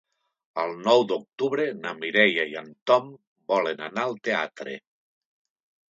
El nou d'octubre na Mireia i en Tom volen anar al teatre.